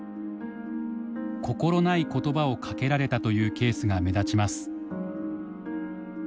心ない言葉をかけられたというケースが目立ちます。